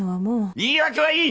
言い訳はいい！